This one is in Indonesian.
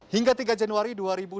hingga tiga januari dua ribu dua puluh